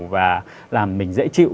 và làm mình dễ chịu